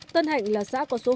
tân hạnh là giáo có số hộ nuôi trẻ